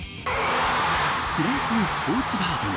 フランスのスポーツバーでも。